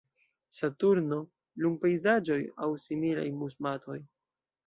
Saturno, lunpejzaĝoj, aŭ similaj mus-matoj.